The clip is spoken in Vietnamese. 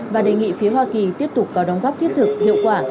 và đề nghị phía hoa kỳ tiếp tục có đóng góp thiết thực hiệu quả